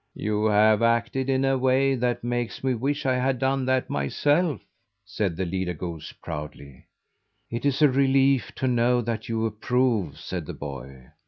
"You have acted in a way that makes me wish I had done that myself," said the leader goose proudly. "It's a relief to know that you approve," said the boy.